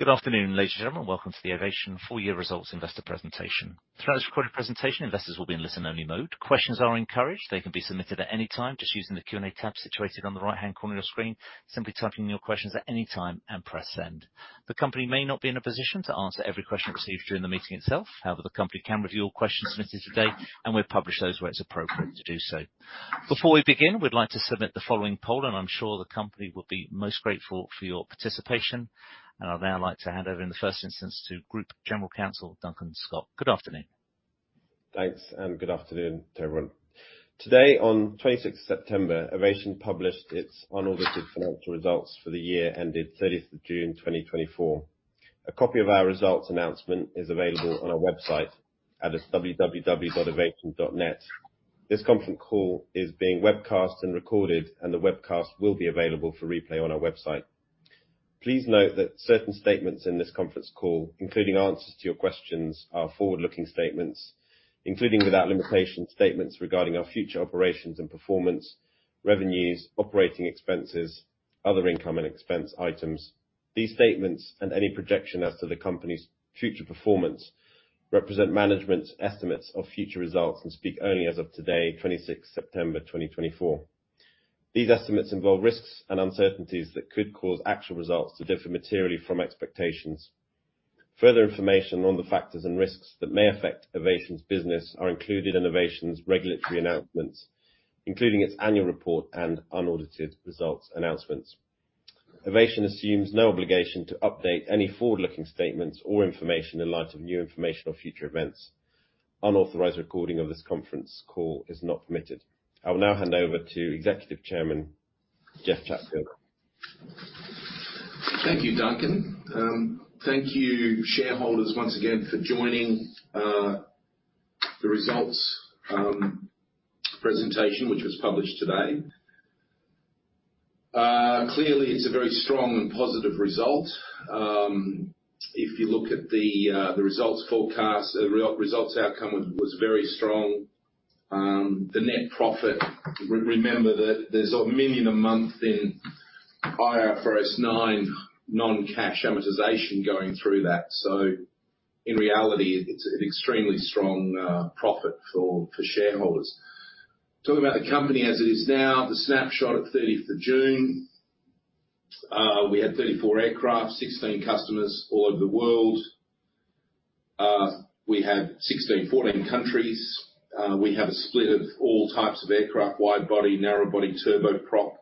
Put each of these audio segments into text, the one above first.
Good afternoon, ladies and gentlemen. Welcome to the Avation full year results investor presentation. Throughout this recorded presentation, investors will be in listen-only mode. Questions are encouraged. They can be submitted at any time just using the Q&A tab situated on the right-hand corner of your screen. Simply type in your questions at any time and press send. The company may not be in a position to answer every question received during the meeting itself. However, the company can review all questions submitted today, and we'll publish those where it's appropriate to do so. Before we begin, we'd like to submit the following poll, and I'm sure the company will be most grateful for your participation, and I'd now like to hand over in the first instance to Group General Counsel, Duncan Scott. Good afternoon. Thanks, and good afternoon to everyone. Today, on twenty-sixth September, Avation published its unaudited financial results for the year ending thirtieth of June, twenty twenty-four. A copy of our results announcement is available on our website at www.avation.net. This conference call is being webcast and recorded, and the webcast will be available for replay on our website. Please note that certain statements in this conference call, including answers to your questions, are forward-looking statements, including without limitation, statements regarding our future operations and performance, revenues, operating expenses, other income and expense items. These statements and any projection as to the company's future performance, represent management's estimates of future results and speak only as of today, twenty-sixth September, twenty twenty-four. These estimates involve risks and uncertainties that could cause actual results to differ materially from expectations. Further information on the factors and risks that may affect Avation's business are included in Avation's regulatory announcements, including its annual report and unaudited results announcements. Avation assumes no obligation to update any forward-looking statements or information in light of new information or future events. Unauthorized recording of this conference call is not permitted. I will now hand over to Executive Chairman, Jeff Chatfield. Thank you, Duncan. Thank you, shareholders, once again for joining the results presentation, which was published today. Clearly, it's a very strong and positive result. If you look at the results forecast, the results outcome was very strong. The net profit, remember that there's a million a month in IFRS 9 non-cash amortization going through that. So in reality, it's an extremely strong profit for shareholders. Talking about the company as it is now, the snapshot at thirtieth of June, we had 34 aircraft, 16 customers all over the world. We have 14 countries. We have a split of all types of aircraft, wide-body, narrow-body, turboprop.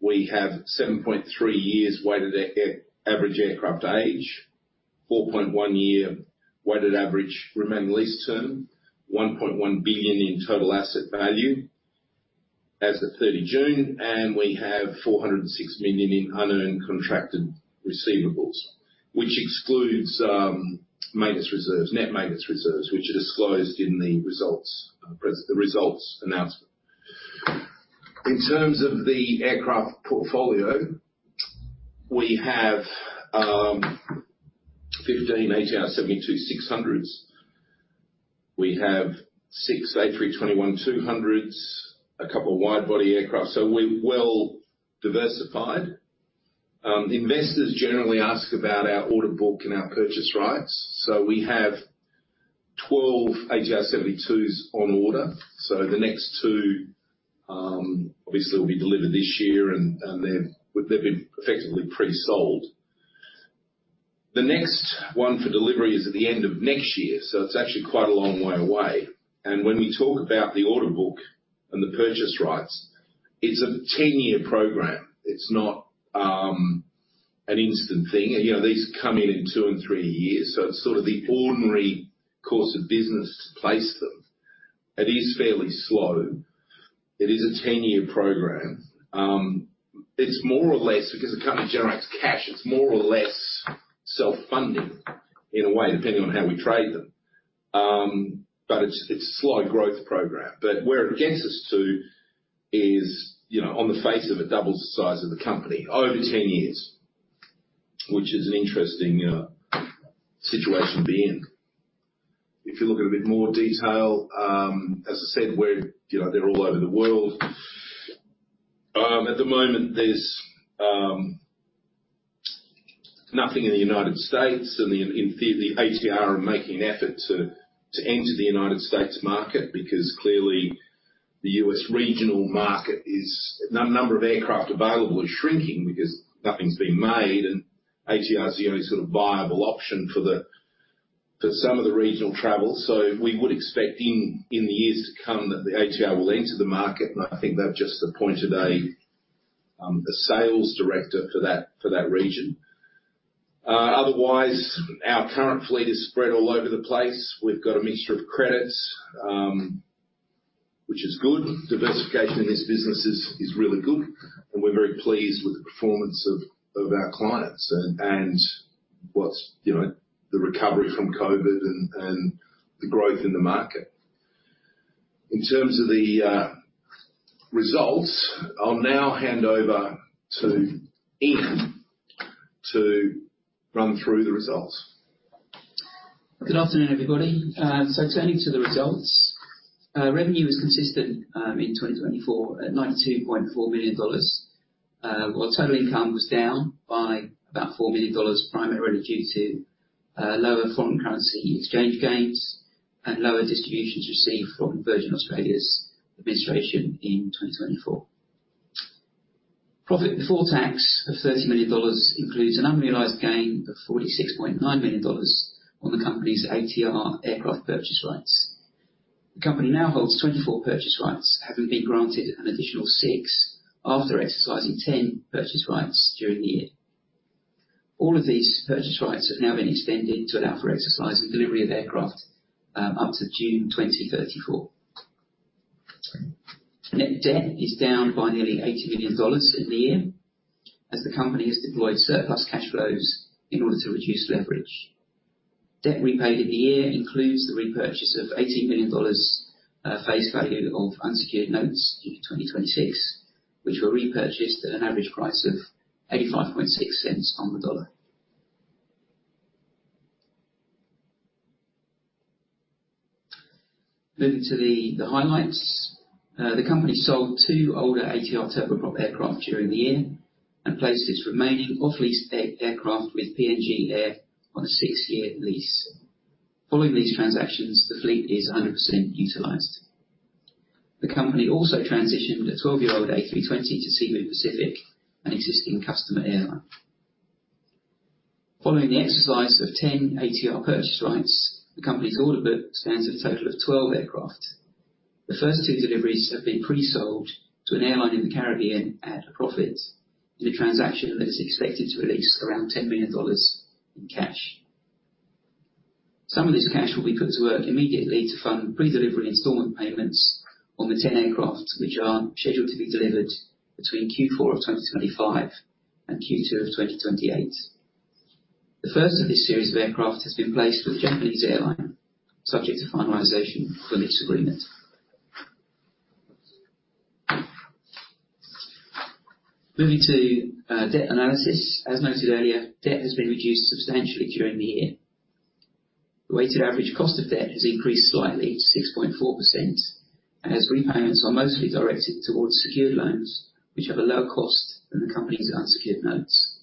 We have 7.3 years weighted average aircraft age, 4.1 year weighted average remaining lease term, $1.1 billion in total asset value as of 30 June, and we have $406 million in unearned contracted receivables, which excludes maintenance reserves, net maintenance reserves, which are disclosed in the results announcement. In terms of the aircraft portfolio, we have 15 ATR 72-600s. We have six A321-200s, a couple of wide-body aircraft, so we're well diversified. Investors generally ask about our order book and our purchase rights. We have 12 ATR 72s on order, so the next two obviously will be delivered this year, and they've been effectively pre-sold. The next one for delivery is at the end of next year, so it's actually quite a long way away. And when we talk about the order book and the purchase rights, it's a ten-year program. It's not an instant thing. You know, these come in in two and three years, so it's sort of the ordinary course of business to place them. It is fairly slow. It is a ten-year program. It's more or less because the company generates cash, it's more or less self-funding in a way, depending on how we trade them. But it's a slow growth program. But where it gets us to is, you know, on the face of it, double the size of the company over ten years, which is an interesting situation to be in. If you look at a bit more detail, as I said, we're you know, they're all over the world. At the moment, there's nothing in the United States and in theory, the ATR are making an effort to enter the United States market, because clearly the US regional market is number of aircraft available is shrinking because nothing's being made, and ATR is the only sort of viable option for some of the regional travel. So we would expect in the years to come, that the ATR will enter the market, and I think they've just appointed a sales director for that region. Otherwise, our current fleet is spread all over the place. We've got a mixture of credits, which is good. Diversification in this business is really good, and we're very pleased with the performance of our clients and what's, you know, the recovery from COVID and the growth in the market. In terms of the results, I'll now hand over to Ian, to run through the results. Good afternoon, everybody. So turning to the results, revenue was consistent in 2024 at $92.4 million. While total income was down by about $4 million, primarily due to lower foreign currency exchange gains and lower distributions received from Virgin Australia's administration in 2024. Profit before tax of $30 million includes an unrealized gain of $46.9 million on the company's ATR aircraft purchase rights. The company now holds 24 purchase rights, having been granted an additional six after exercising 10 purchase rights during the year. All of these purchase rights have now been extended to allow for exercise and delivery of aircraft up to June 2034. Net debt is down by nearly $80 million in the year, as the company has deployed surplus cash flows in order to reduce leverage. Debt repaid in the year includes the repurchase of $80 million, face value of unsecured notes in 2026, which were repurchased at an average price of 85.6 cents on the dollar. Moving to the highlights. The company sold 2 older ATR turboprop aircraft during the year and placed its remaining off-lease aircraft with PNG Air on a 6-year lease. Following these transactions, the fleet is 100% utilized. The company also transitioned a 12-year-old A320 to Cebu Pacific, an existing customer airline. Following the exercise of 10 ATR purchase rights, the company's order book stands at a total of 12 aircraft. The first 2 deliveries have been pre-sold to an airline in the Caribbean at a profit, in a transaction that is expected to release around $10 million in cash. Some of this cash will be put to work immediately to fund pre-delivery installment payments on the 10 aircraft, which are scheduled to be delivered between Q4 of 2025 and Q2 of 2028. The first of this series of aircraft has been placed with a Japanese airline, subject to finalization of a lease agreement. Moving to debt analysis. As noted earlier, debt has been reduced substantially during the year. The weighted average cost of debt has increased slightly to 6.4%, as repayments are mostly directed towards secured loans, which have a lower cost than the company's unsecured notes.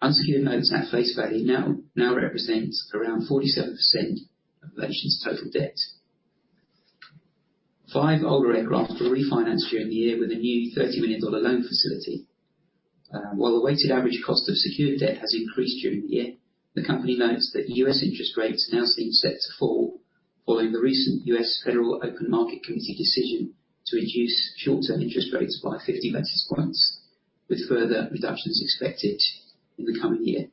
Unsecured notes at face value now represent around 47% of Avation's total debt. Five older aircraft were refinanced during the year with a new $30 million loan facility. While the weighted average cost of secured debt has increased during the year, the company notes that U.S. interest rates now seem set to fall following the recent U.S. Federal Open Market Committee decision to reduce short-term interest rates by 50 basis points, with further reductions expected in the coming year.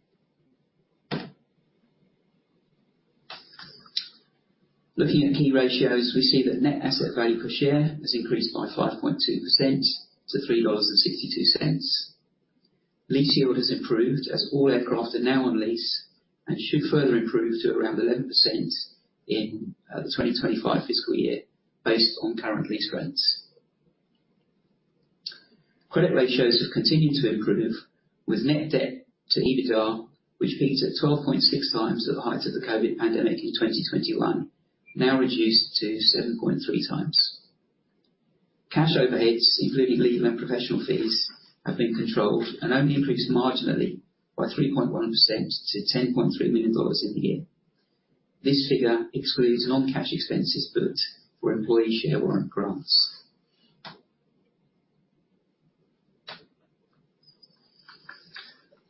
Looking at key ratios, we see that net asset value per share has increased by 5.2% to $3.62. Lease yield has improved as all aircraft are now on lease and should further improve to around 11% in the 2025 fiscal year, based on current lease rates. Credit ratios have continued to improve, with net debt to EBITDA, which peaked at 12.6 times at the height of the COVID pandemic in 2021, now reduced to 7.3 times. Cash overheads, including legal and professional fees, have been controlled and only increased marginally by 3.1% to $10.3 million in the year. This figure excludes non-cash expenses booked for employee share warrant grants.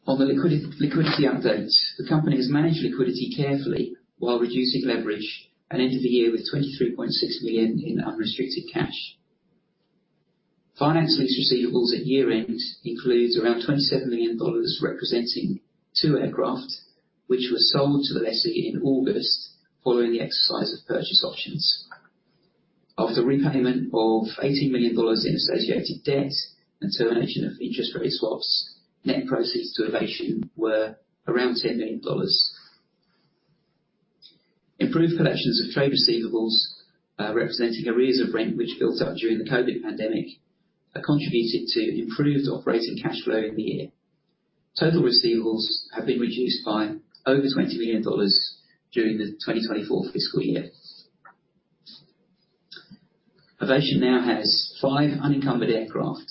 On the liquidity update, the company has managed liquidity carefully while reducing leverage and ended the year with $23.6 million in unrestricted cash. Finance lease receivables at year-end includes around $27 million, representing two aircraft, which were sold to the lessee in August following the exercise of purchase options. After repayment of $80 million in associated debt and termination of interest rate swaps, net proceeds to Avation were around $10 million. Improved collections of trade receivables, representing arrears of rent, which built up during the COVID pandemic, contributed to improved operating cash flow in the year. Total receivables have been reduced by over $20 million during the 2024 fiscal year. Avation now has five unencumbered aircraft,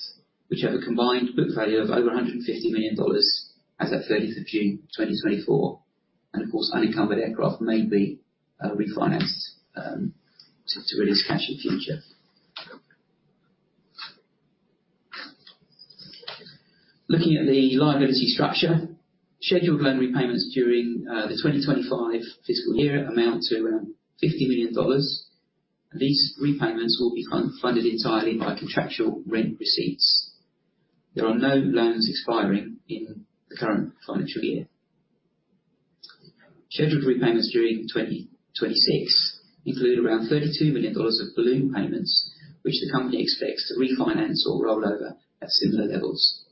which have a combined book value of over $150 million as at 30th of June 2024, and of course, unencumbered aircraft may be refinanced to release cash in the future. Looking at the liability structure, scheduled loan repayments during the 2025 fiscal year amount to around $50 million. These repayments will be funded entirely by contractual rent receipts. There are no loans expiring in the current financial year. Scheduled repayments during 2026 include around $32 million of balloon payments, which the company expects to refinance or roll over at similar levels.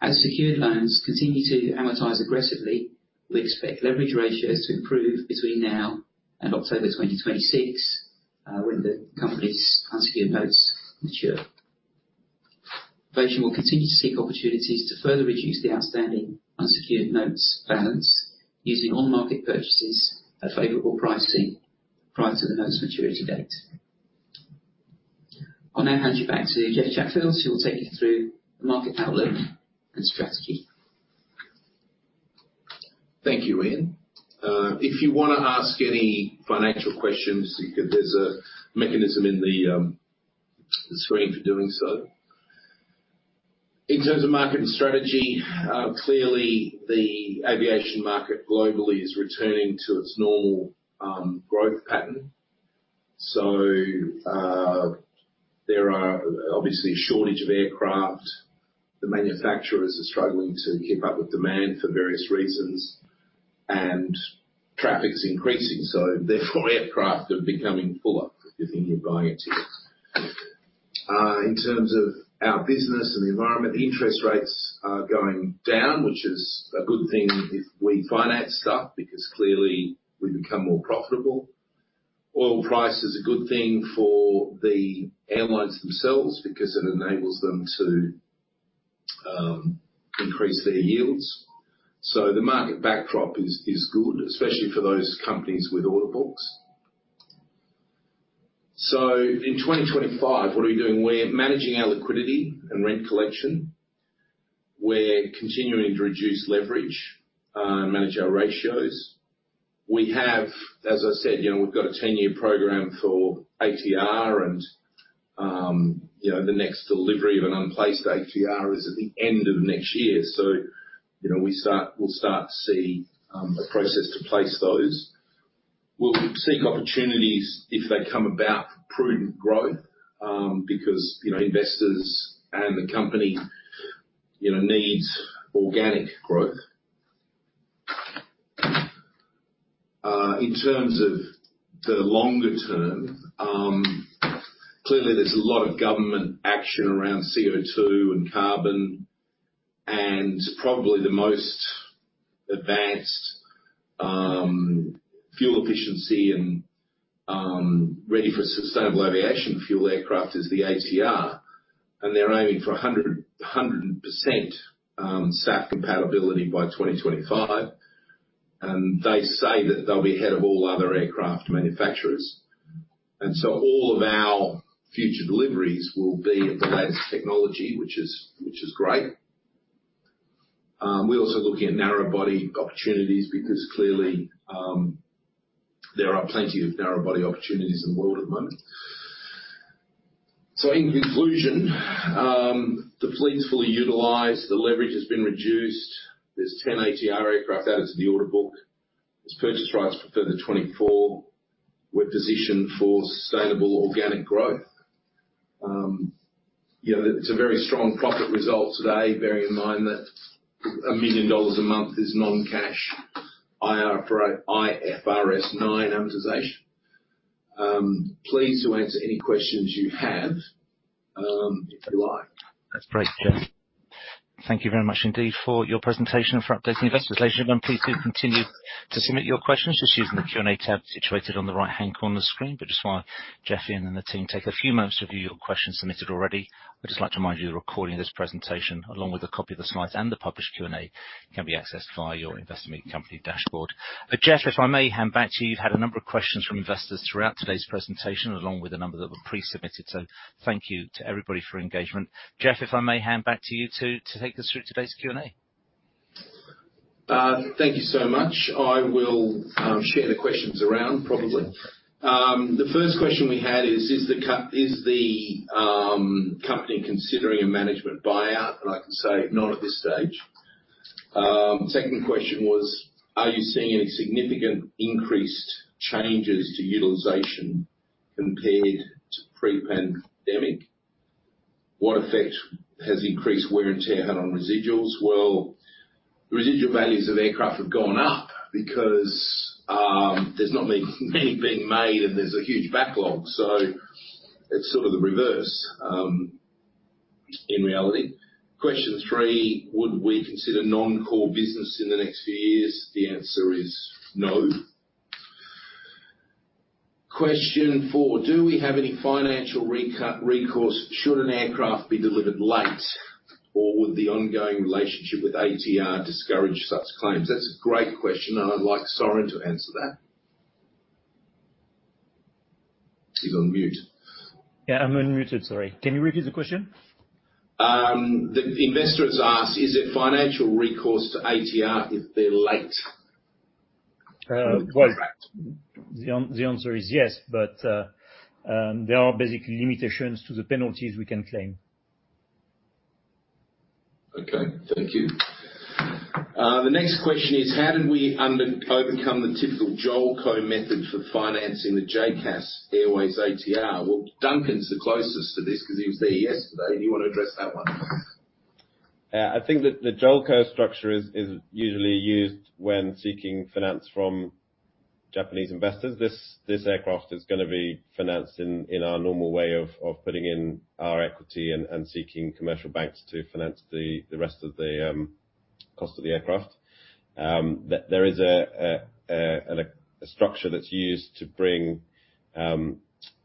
As secured loans continue to amortize aggressively, we expect leverage ratios to improve between now and October twenty twenty-six, when the company's unsecured notes mature. Avation will continue to seek opportunities to further reduce the outstanding unsecured notes balance, using on-market purchases at favorable pricing prior to the notes maturity date. I'll now hand you back to Jeff Chatfield, who will take you through the market outlook and strategy. Thank you, Ian. If you wanna ask any financial questions, you can. There's a mechanism in the screen for doing so. In terms of market and strategy, clearly, the aviation market globally is returning to its normal growth pattern. So, there are obviously a shortage of aircraft. The manufacturers are struggling to keep up with demand for various reasons, and traffic is increasing, so therefore, aircraft are becoming fuller if you're buying a ticket. In terms of our business and the environment, interest rates are going down, which is a good thing if we finance stuff, because clearly we become more profitable. Oil price is a good thing for the airlines themselves, because it enables them to increase their yields. So the market backdrop is good, especially for those companies with order books. So in twenty twenty-five, what are we doing? We're managing our liquidity and rent collection. We're continuing to reduce leverage and manage our ratios. We have, as I said, you know, we've got a ten-year program for ATR and, you know, the next delivery of an unplaced ATR is at the end of next year. So, you know, we'll start to see a process to place those. We'll seek opportunities if they come about for prudent growth, because, you know, investors and the company, you know, needs organic growth. In terms of the longer term, clearly there's a lot of government action around CO2 and carbon, and probably the most advanced fuel efficiency and ready for sustainable aviation fuel aircraft is the ATR, and they're aiming for 100% SAF compatibility by 2025. They say that they'll be ahead of all other aircraft manufacturers. All of our future deliveries will be of the latest technology, which is great. We're also looking at narrow body opportunities because clearly, there are plenty of narrow body opportunities in the world at the moment. In conclusion, the fleet's fully utilized. The leverage has been reduced. There's 10 ATR aircraft out as of the order book. There's purchase rights for further 24. We're positioned for sustainable organic growth. You know, it's a very strong profit result today, bearing in mind that $1 million a month is non-cash IFRS 9 amortization. Pleased to answer any questions you have, if you like. That's great, Jeff. Thank you very much indeed for your presentation and for updating the investor relationship. I'm pleased to continue to submit your questions just using the Q&A tab situated on the right-hand corner of the screen. But just while Jeff and the team take a few moments to review your questions submitted already, I'd just like to remind you, the recording of this presentation, along with a copy of the slides and the published Q&A, can be accessed via your investor meeting company dashboard. Jeff, if I may hand back to you. You've had a number of questions from investors throughout today's presentation, along with a number that were pre-submitted, so thank you to everybody for your engagement. Jeff, if I may hand back to you to take us through today's Q&A. Thank you so much. I will share the questions around, probably. The first question we had is: Is the company considering a management buyout? I can say, not at this stage. Second question was: Are you seeing any significant increased changes to utilization compared to pre-pandemic? What effect has increased wear and tear had on residuals? Well, the residual values of aircraft have gone up because there's not many being made, and there's a huge backlog, so it's sort of the reverse in reality. Question three: Would we consider non-core business in the next few years? The answer is no. Question four: Do we have any financial recourse should an aircraft be delivered late, or would the ongoing relationship with ATR discourage such claims? That's a great question, and I'd like Soren to answer that. He's on mute. Yeah, I'm unmuted. Sorry. Can you repeat the question? The investor has asked, "Is there financial recourse to ATR if they're late? The answer is yes, but there are basically limitations to the penalties we can claim. Okay, thank you. The next question is: How did we overcome the typical JOLCO method for financing the JCAS Airways ATR? Duncan's the closest to this because he was there yesterday. Do you want to address that one? I think that the JOLCO structure is usually used when seeking finance from Japanese investors. This aircraft is gonna be financed in our normal way of putting in our equity and seeking commercial banks to finance the rest of the cost of the aircraft. There is a structure that's used to bring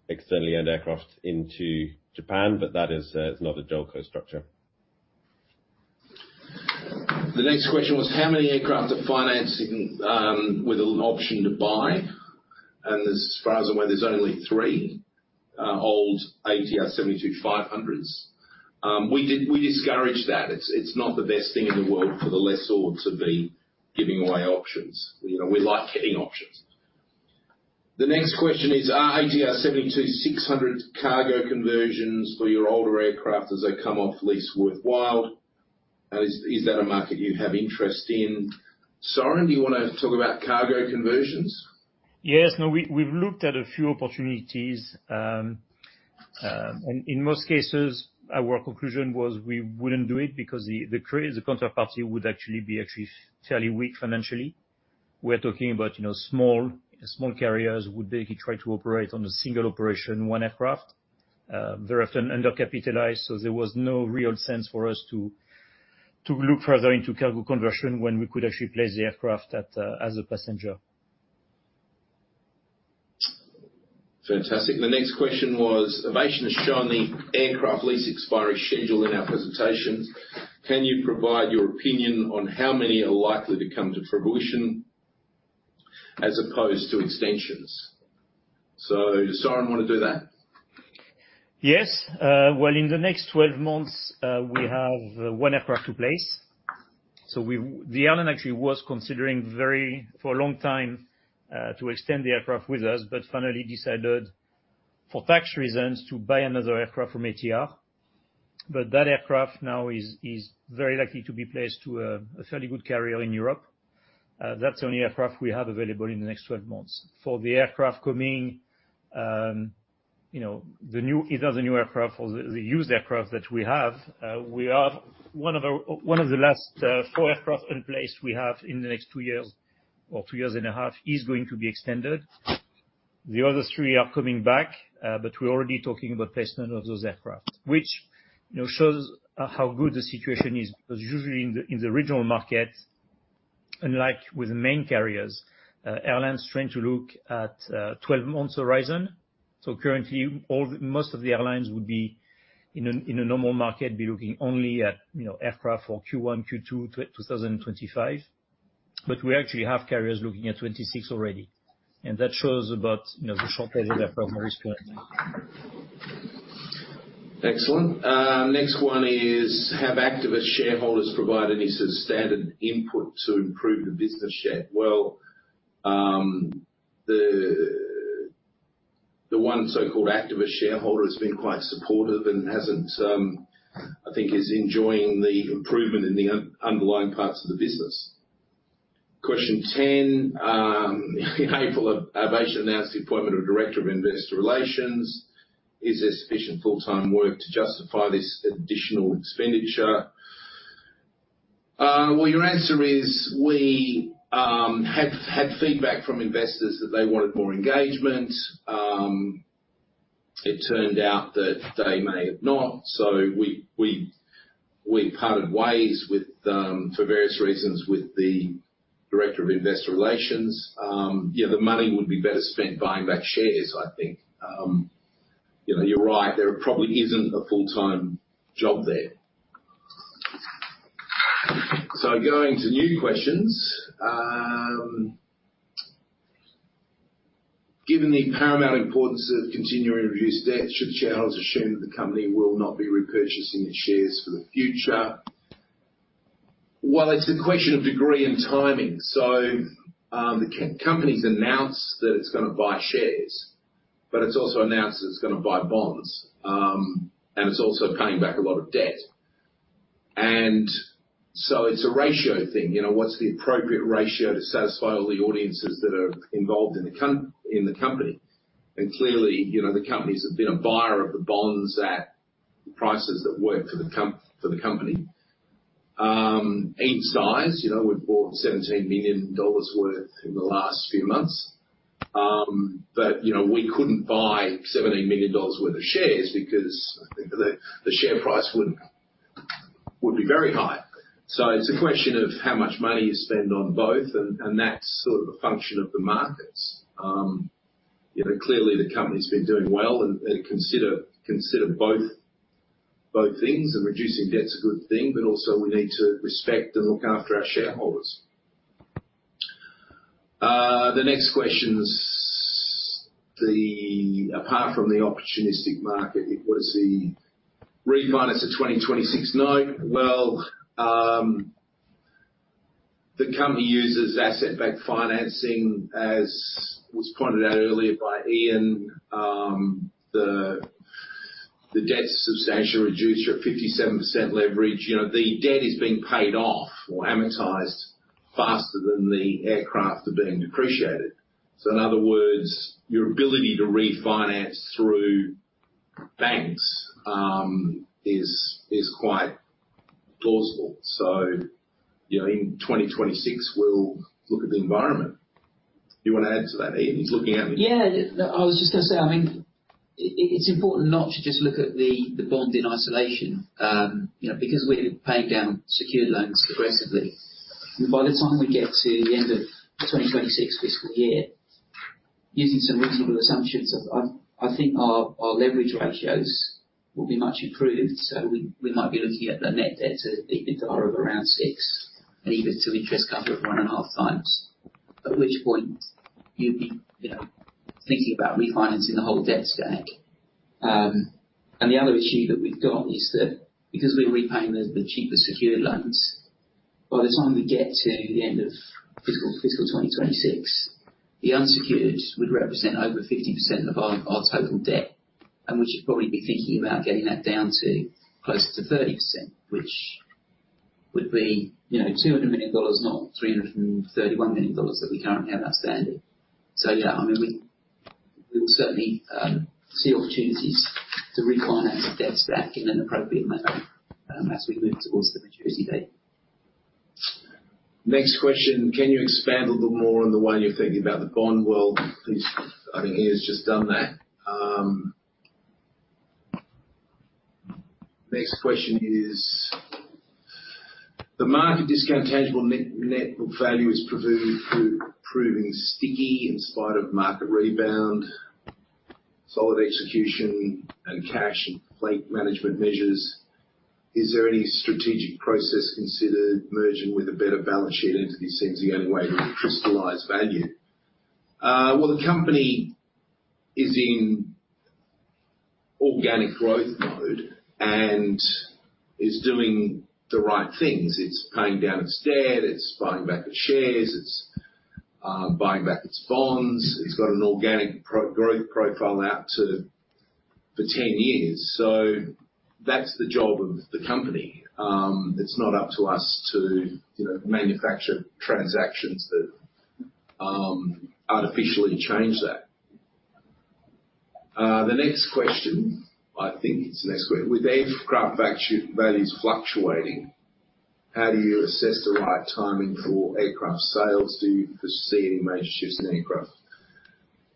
externally owned aircraft into Japan, but that is not a JOLCO structure. The next question was, "How many aircraft are financing with an option to buy? And as far as I'm aware, there's only three old ATR 72-500s." We discourage that. It's not the best thing in the world for the lessor to be giving away options. You know, we like getting options. The next question is, "Are ATR 72-600 cargo conversions for your older aircraft as they come off lease worthwhile? And is that a market you have interest in?" Soren, do you want to talk about cargo conversions? Yes. No, we've looked at a few opportunities. And in most cases, our conclusion was we wouldn't do it because the counterparty would actually be fairly weak financially. We're talking about, you know, small carriers who basically try to operate on a single operation, one aircraft. They're often undercapitalized, so there was no real sense for us to look further into cargo conversion, when we could actually place the aircraft as a passenger. Fantastic. The next question was, "Avation has shown the aircraft lease expiry schedule in our presentations. Can you provide your opinion on how many are likely to come to fruition as opposed to extensions?" So Soren, you want to do that? Yes, well, in the next 12 months, we have one aircraft to place. So the airline actually was considering very for a long time to extend the aircraft with us, but finally decided, for tax reasons, to buy another aircraft from ATR. But that aircraft now is very likely to be placed to a fairly good carrier in Europe. That's the only aircraft we have available in the next 12 months. For the aircraft coming, you know, either the new aircraft or the used aircraft that we have, we are one of the last four aircraft to place we have in the next two years, or two years and a half, is going to be extended. The other three are coming back, but we're already talking about placement of those aircraft, which, you know, shows how good the situation is. Because usually in the regional market, unlike with the main carriers, airlines trying to look at twelve months horizon. So currently, most of the airlines would be, in a normal market, be looking only at, you know, aircraft for Q1, Q2 two thousand and twenty-five. But we actually have carriers looking at twenty-six already, and that shows about, you know, the shortage of aircraft more currently. Excellent. Next one is, "Have activist shareholders provided any substandard input to improve the business yet?" Well, the one so-called activist shareholder has been quite supportive and hasn't I think, is enjoying the improvement in the underlying parts of the business. Question ten. "April, Avation announced the appointment of Director of Investor Relations. Is there sufficient full-time work to justify this additional expenditure?" Well, your answer is, we had feedback from investors that they wanted more engagement. It turned out that they may have not. So we parted ways with, for various reasons, with the Director of Investor Relations. Yeah, the money would be better spent buying back shares, I think. You know, you're right, there probably isn't a full-time job there. So going to new questions. Given the paramount importance of continuing to reduce debt, should shareholders assume that the company will not be repurchasing its shares for the future?" Well, it's a question of degree and timing. So, the company's announced that it's gonna buy shares, but it's also announced that it's gonna buy bonds. And it's also paying back a lot of debt. And so it's a ratio thing, you know, what's the appropriate ratio to satisfy all the audiences that are involved in the company? And clearly, you know, the company has been a buyer of the bonds at prices that work for the company. In size, you know, we've bought $17 million worth in the last few months. But, you know, we couldn't buy $17 million worth of shares because the share price would be very high. So it's a question of how much money you spend on both, and that's sort of a function of the markets. You know, clearly, the company's been doing well, and consider both things, and reducing debt is a good thing, but also we need to respect and look after our shareholders. The next question is the apart from the opportunistic market, it was the refinance of 2026 note. The company uses asset-backed financing, as was pointed out earlier by Ian. The debt's substantially reduced, at 57% leverage. You know, the debt is being paid off or amortized faster than the aircraft are being depreciated. So in other words, your ability to refinance through banks is quite plausible. So, you know, in twenty twenty-six, we'll look at the environment.... Do you want to add to that, Ian? He's looking at me. Yeah, I was just gonna say, I mean, it's important not to just look at the bond in isolation, you know, because we're paying down secured loans aggressively. And by the time we get to the end of 2026 fiscal year, using some reasonable assumptions, I think our leverage ratios will be much improved. So we might be looking at the net debt to EBITDA of around six, and even to interest coverage of one and a half times, at which point you'd be, you know, thinking about refinancing the whole debt stack. And the other issue that we've got is that because we're repaying the cheaper secured loans, by the time we get to the end of fiscal 2026, the unsecured would represent over 15% of our total debt, and we should probably be thinking about getting that down to closer to 30%, which would be, you know, $200 million, not $331 million that we currently have outstanding. So, yeah, I mean, we will certainly see opportunities to refinance the debt stack in an appropriate manner, as we move towards the maturity date. Next question: Can you expand a little more on the way you're thinking about the bond wall? Please, I think Ian has just done that. Next question is, "The market discount tangible net, net book value is proving sticky in spite of market rebound, solid execution, and cash and fleet management measures. Is there any strategic process considered merging with a better balance sheet into these things, the only way to crystallize value?" Well, the company is in organic growth mode and is doing the right things. It's paying down its debt, it's buying back its shares, it's buying back its bonds. It's got an organic growth profile out to for 10 years. So that's the job of the company. It's not up to us to, you know, manufacture transactions that artificially change that. The next question, I think it's the next question: With aircraft values fluctuating, how do you assess the right timing for aircraft sales? Do you foresee any major shifts in aircraft?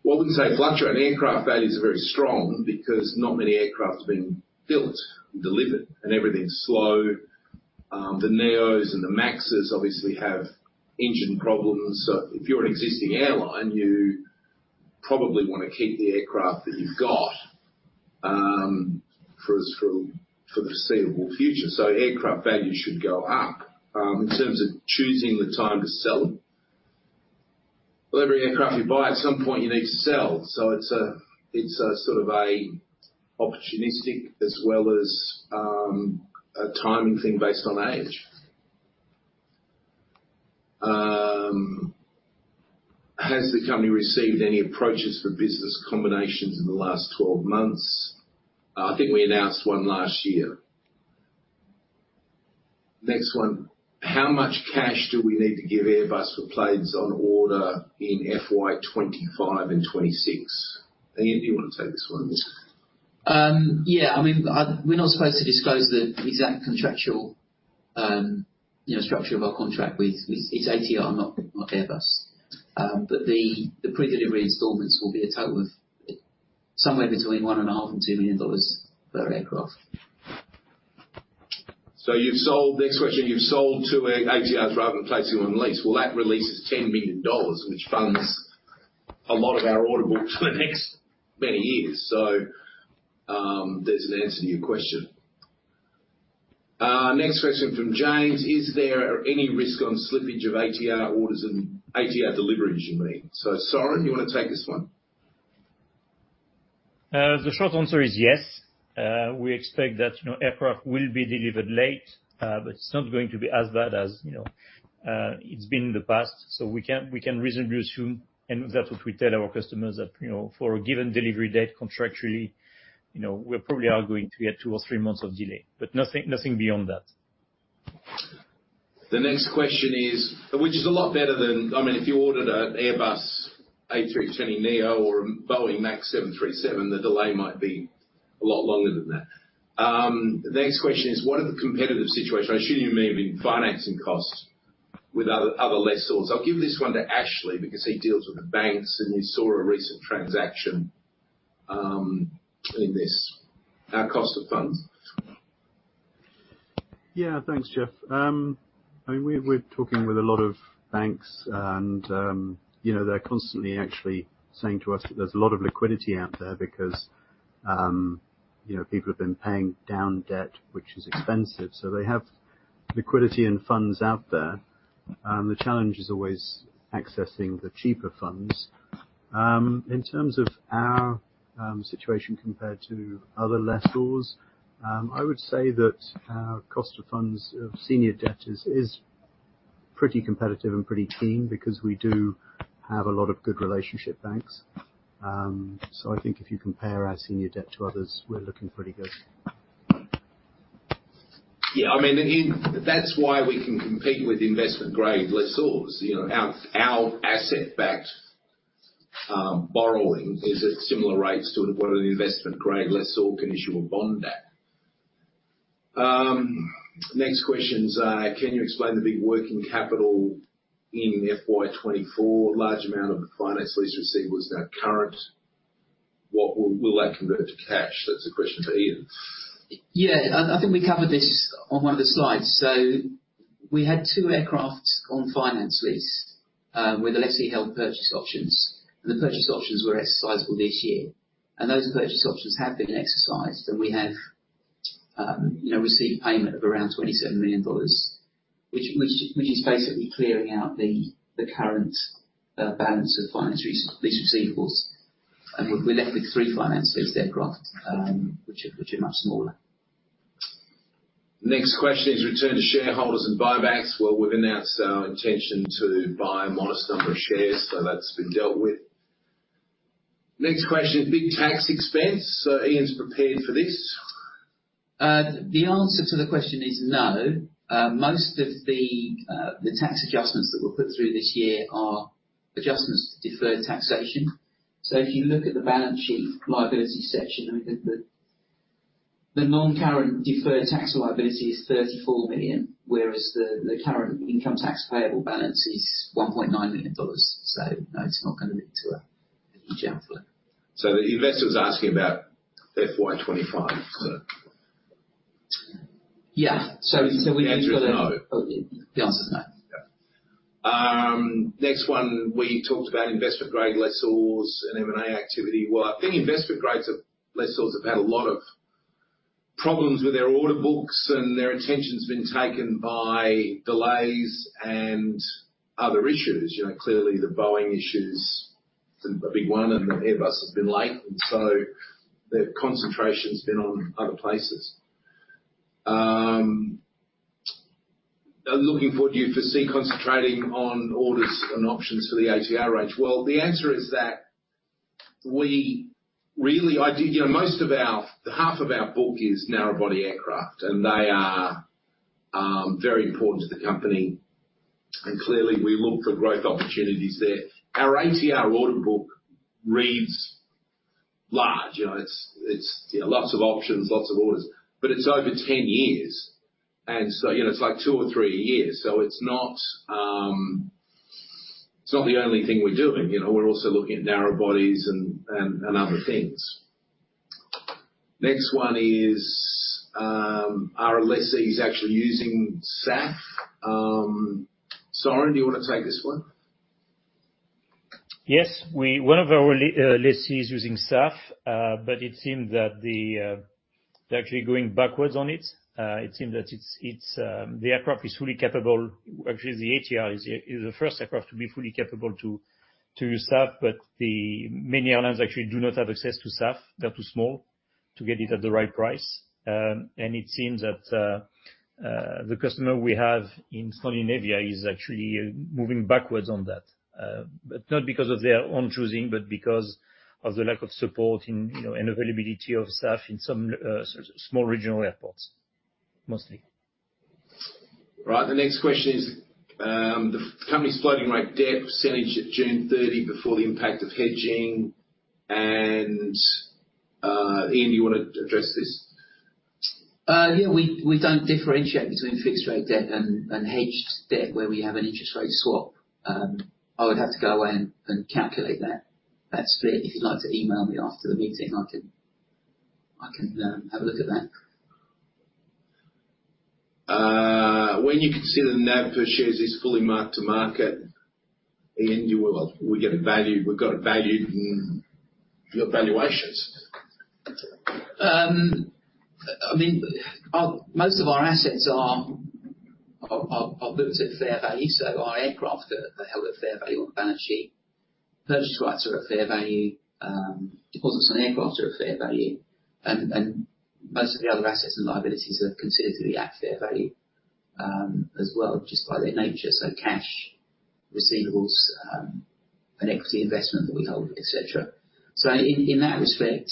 Well, I wouldn't say fluctuate. Aircraft values are very strong because not many aircraft have been built and delivered, and everything's slow. The A320neos and the 737 MAXes obviously have engine problems. So if you're an existing airline, you probably want to keep the aircraft that you've got for the foreseeable future. So aircraft values should go up. In terms of choosing the time to sell, well, every aircraft you buy, at some point you need to sell. So it's a sort of opportunistic as well as a timing thing based on age. Has the company received any approaches for business combinations in the last 12 months? I think we announced one last year. Next one: How much cash do we need to give Airbus for planes on order in FY 2025 and 2026? Ian, do you want to take this one? Yeah. I mean, we're not supposed to disclose the exact contractual, you know, structure of our contract with. It's ATR, not Airbus. But the pre-delivery installments will be a total of somewhere between $1.5 million and $2 million per aircraft. Next question, you've sold two ATRs rather than placing them on lease. Well, that releases $10 million, which funds a lot of our order book for the next many years. So, there's an answer to your question. Next question from James: Is there any risk on slippage of ATR orders and ATR deliveries, you mean? So, Soren, you want to take this one? The short answer is yes. We expect that, you know, aircraft will be delivered late, but it's not going to be as bad as, you know, it's been in the past. So we can reasonably assume, and that's what we tell our customers that, you know, for a given delivery date, contractually, you know, we probably are going to get two or three months of delay, but nothing beyond that. The next question is. Which is a lot better than, I mean, if you ordered an Airbus A320neo or a Boeing 737 MAX, the delay might be a lot longer than that. The next question is: What are the competitive situation? I assume you may mean financing costs with other lessors. I'll give this one to Ashley, because he deals with the banks, and he saw a recent transaction in this, our cost of funds. Yeah, thanks, Jeff. I mean, we're talking with a lot of banks and, you know, they're constantly actually saying to us that there's a lot of liquidity out there because, you know, people have been paying down debt, which is expensive. So they have liquidity and funds out there. The challenge is always accessing the cheaper funds. In terms of our situation compared to other lessors, I would say that our cost of funds of senior debt is pretty competitive and pretty keen because we do have a lot of good relationship banks. So I think if you compare our senior debt to others, we're looking pretty good. Yeah, I mean, and that's why we can compete with investment-grade lessors. You know, our asset-backed borrowing is at similar rates to what an investment-grade lessor can issue a bond at. Next question is, can you explain the big working capital in FY twenty-four? Large amount of the finance lease received, was that current? What will that convert to cash? That's a question for Ian. Yeah, I think we covered this on one of the slides. So we had two aircraft on finance lease with lessee held purchase options, and the purchase options were exercisable this year. And those purchase options have been exercised, and we have, you know, received payment of around $27 million. Which is basically clearing out the current balance of finance lease receivables, and we're left with three finance lease aircraft, which are much smaller. Next question is return to shareholders and buybacks, well, we've announced our intention to buy a modest number of shares, so that's been dealt with. Next question, big tax expense, so Ian's prepared for this. The answer to the question is no. Most of the tax adjustments that were put through this year are adjustments to deferred taxation so if you look at the balance sheet liability section, I mean, the non-current deferred tax liability is $34 million, whereas the current income tax payable balance is $1.9 million so no, it's not going to lead to a downfall. So the investor's asking about FY 2025, so. Yeah. So, we need to The answer is no. The answer is no. Yeah. Next one, we talked about investment grade lessors and M&A activity. Well, I think investment grade lessors have had a lot of problems with their order books, and their attention's been taken by delays and other issues. You know, clearly, the Boeing issue is a big one, and the Airbus has been late, and so their concentration's been on other places. Looking forward, do you foresee concentrating on orders and options for the ATR age? Well, the answer is that You know, most of our, half of our book is narrow body aircraft, and they are very important to the company, and clearly, we look for growth opportunities there. Our ATR order book reads large. You know, it's, you know, lots of options, lots of orders, but it's over ten years, and so, you know, it's like two or three a year. So it's not the only thing we're doing. You know, we're also looking at narrow bodies and other things. Next one is, are lessors actually using SAF? Soren, do you want to take this one? Yes, one of our lessees is using SAF, but it seems that they're actually going backwards on it. It seems that it's the aircraft is fully capable. Actually, the ATR is the first aircraft to be fully capable to use SAF, but the many airlines actually do not have access to SAF. They're too small to get it at the right price. And it seems that the customer we have in Scandinavia is actually moving backwards on that. But not because of their own choosing, but because of the lack of support and, you know, and availability of SAF in some small regional airports, mostly. Right. The next question is, the company's floating rate debt percentage at June thirty before the impact of hedging and, Ian, do you want to address this? Yeah, we don't differentiate between fixed rate debt and hedged debt where we have an interest rate swap. I would have to go away and calculate that. That's fair, if you'd like to email me after the meeting, I can have a look at that. When you consider the NAV per shares is fully marked to market, Ian, you will we get it valued, we've got it valued in your valuations. I mean, our most of our assets are booked at fair value, so our aircraft are held at fair value on the balance sheet. Purchase rights are at fair value, deposits on aircraft are at fair value, and most of the other assets and liabilities are considered to be at fair value, as well, just by their nature. So cash, receivables, and equity investment that we hold, et cetera. So in that respect,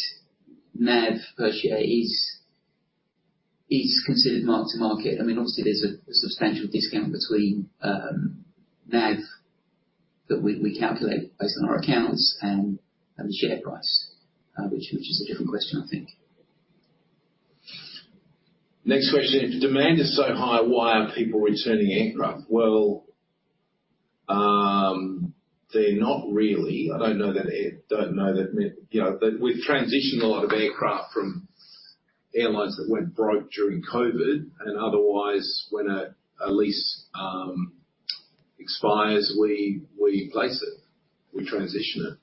NAV per share is considered mark to market. I mean, obviously, there's a substantial discount between NAV that we calculate based on our accounts and the share price, which is a different question, I think. Next question: If demand is so high, why are people returning aircraft? Well, they're not really. I don't know that, you know. But we've transitioned a lot of aircraft from airlines that went broke during COVID, and otherwise, when a lease expires, we place it, we transition it.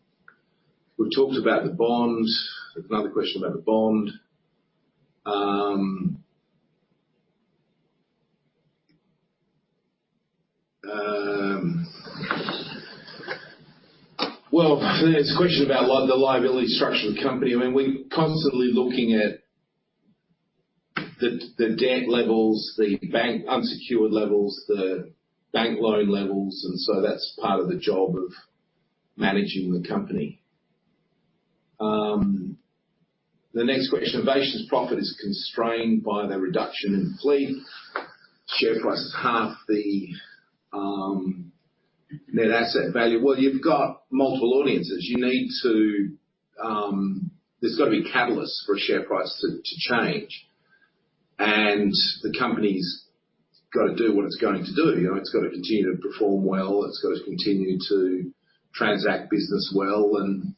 We've talked about the bond. Another question about the bond. Well, it's a question about the liability structure of the company. I mean, we're constantly looking at the debt levels, the bank unsecured levels, the bank loan levels, and so that's part of the job of managing the company. The next question: Are Avation's profit is constrained by the reduction in the fleet? Share price is half the net asset value. Well, you've got multiple audiences. You need to. There's got to be a catalyst for a share price to change, and the company's got to do what it's going to do. You know, it's got to continue to perform well, it's got to continue to transact business well, and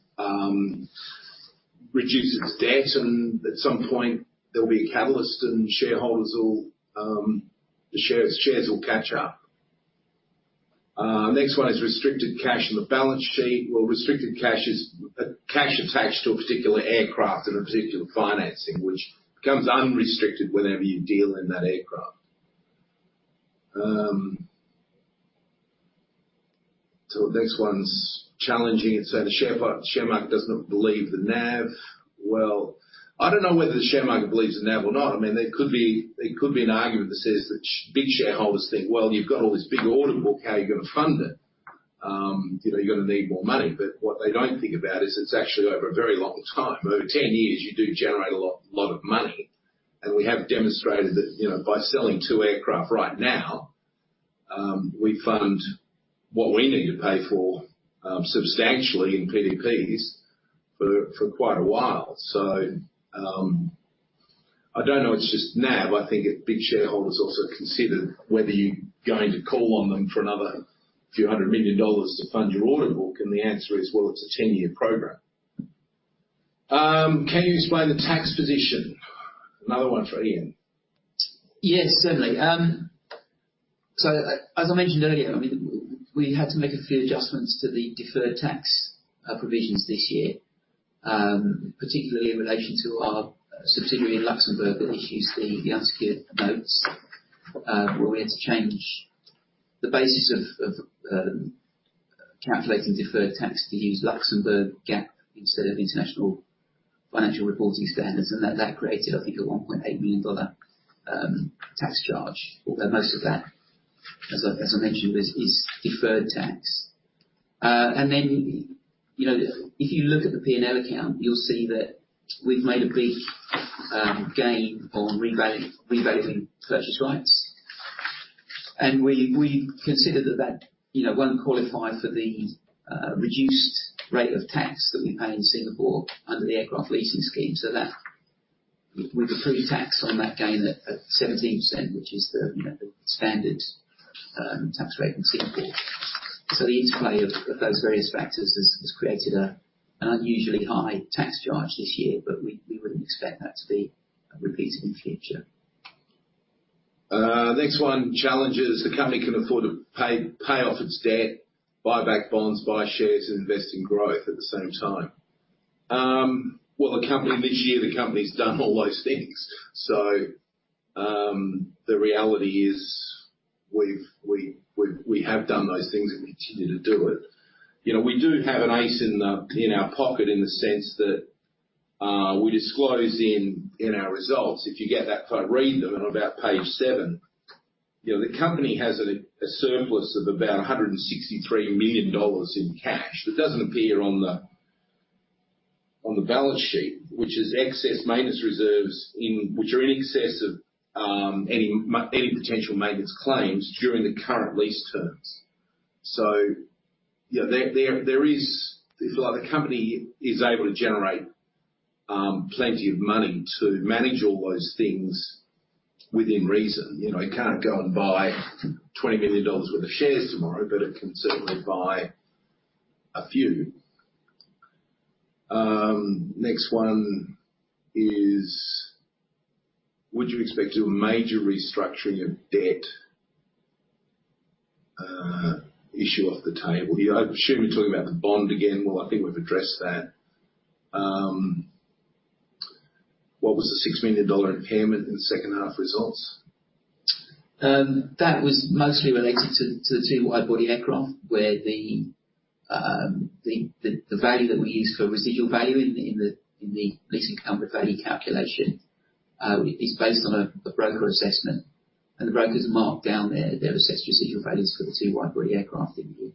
reduce its debt, and at some point, there'll be a catalyst, and shareholders will, the shares will catch up. Next one is restricted cash on the balance sheet. Restricted cash is cash attached to a particular aircraft and a particular financing, which becomes unrestricted whenever you deal in that aircraft. So the next one's challenging. It said, "The share market does not believe the NAV." I don't know whether the share market believes the NAV or not. I mean, there could be, there could be an argument that says that big shareholders think, "Well, you've got all this big order book, how are you going to fund it? You know, you're going to need more money." But what they don't think about is it's actually over a very long time. Over 10 years, you do generate a lot, a lot of money, and we have demonstrated that, you know, by selling two aircraft right now, we fund what we need to pay for, substantially in PDPs for, for quite a while. So, I don't know, it's just NAV. I think if big shareholders also consider whether you're going to call on them for another few hundred million dollars to fund your order book, and the answer is, well, it's a 10-year program. Can you explain the tax position? Another one for Ian. Yes, certainly. So as I mentioned earlier, I mean, we had to make a few adjustments to the deferred tax provisions this year, particularly in relation to our subsidiary in Luxembourg that issues the unsecured notes, where we had to change the basis of calculating deferred tax to use Luxembourg GAAP, instead of International Financial Reporting Standards. And that created, I think, a $1.8 million tax charge. Although most of that, as I mentioned, is deferred tax. And then, you know, if you look at the P&L account, you'll see that we've made a big gain on revaluing purchase rights. And we consider that, you know, won't qualify for the reduced rate of tax that we pay in Singapore under the aircraft leasing scheme. So that we deferred tax on that gain at 17%, which is, you know, the standard tax rate in Singapore. So the interplay of those various factors has created an unusually high tax charge this year, but we wouldn't expect that to be repeated in future. Next one, challenges: The company can afford to pay off its debt, buy back bonds, buy shares, and invest in growth at the same time. Well, the company this year, the company's done all those things. So, the reality is, we have done those things, and we continue to do it. You know, we do have an ace in our pocket, in the sense that, we disclose in our results, if you get that far, read them, and about page seven. You know, the company has a surplus of about $163 million in cash, that doesn't appear on the balance sheet, which is excess maintenance reserves which are in excess of any potential maintenance claims during the current lease terms. So, you know, there is... Like, the company is able to generate plenty of money to manage all those things within reason. You know, it can't go and buy $20 million worth of shares tomorrow, but it can certainly buy a few. Next one is: Would you expect a major restructuring of debt, issue off the table? You know, I assume you're talking about the bond again. Well, I think we've addressed that. What was the $6 million impairment in the second half results? That was mostly related to the two wide-body aircraft, where the value that we use for residual value in the leasing company value calculation is based on a broker assessment. And the brokers marked down their assessed residual values for the two wide-body aircraft in here.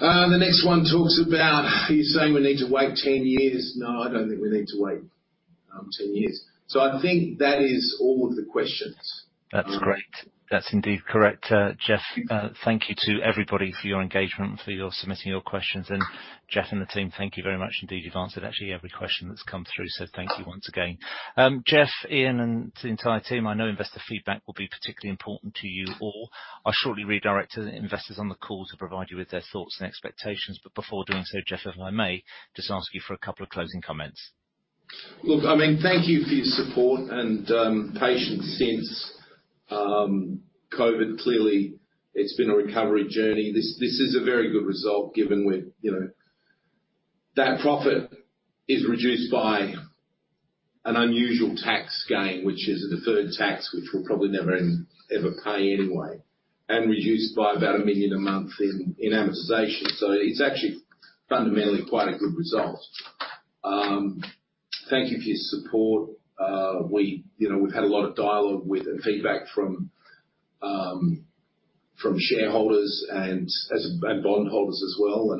The next one talks about, are you saying we need to wait ten years? No, I don't think we need to wait ten years. So I think that is all of the questions. That's great. That's indeed correct. Jeff, thank you to everybody for your engagement, for your submitting your questions, and Jeff and the team, thank you very much indeed. You've answered actually every question that's come through, so thank you once again. Jeff, Ian, and the entire team, I know investor feedback will be particularly important to you all. I'll shortly redirect to the investors on the call to provide you with their thoughts and expectations, but before doing so, Jeff, if I may, just ask you for a couple of closing comments. Look, I mean, thank you for your support and patience since COVID. Clearly, it's been a recovery journey. This, this is a very good result given we're, you know. That profit is reduced by an unusual tax gain, which is a deferred tax, which we'll probably never ever pay anyway, and reduced by about a million a month in amortization. So it's actually, fundamentally quite a good result. Thank you for your support. We, you know, we've had a lot of dialogue with, and feedback from, from shareholders and and bondholders as well.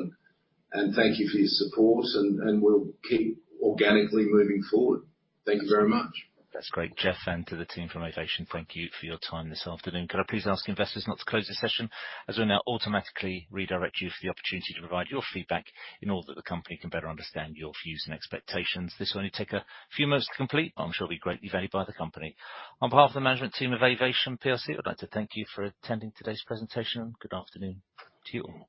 And thank you for your support, and we'll keep organically moving forward. Thank you very much. That's great, Jeff, and to the team from Avation, thank you for your time this afternoon. Could I please ask investors not to close this session, as we'll now automatically redirect you for the opportunity to provide your feedback, in order that the company can better understand your views and expectations? This will only take a few moments to complete, and I'm sure it'll be greatly valued by the company. On behalf of the management team of Avation PLC, I'd like to thank you for attending today's presentation, and good afternoon to you all.